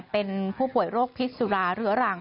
เป็นผู้ป่วยโรคพิษสุราเรื้อรัง